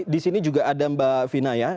di sini juga ada mbak vina ya